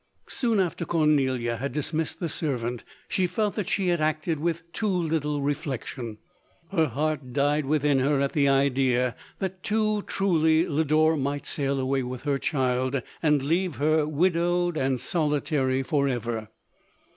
Soon after Cornelia had dismissed the servant, she felt that she had acted with too little reflection. Her heart died within her at the idea, that too truly Lodore might sail away with her child, and leave her widowed and solitary for ever.